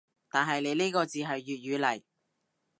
但係你呢個字係粵語嚟